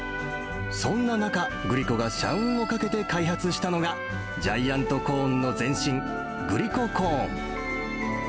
そんな中、グリコが社運をかけて開発したのが、ジャイアントコーンの前身、グリココーン。